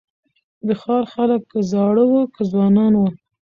د ښار خلک که زاړه وه که ځوانان وه